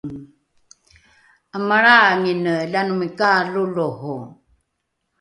’amalraingine lanomi kaaloloho